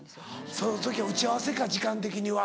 その時は打ち合わせか時間的には。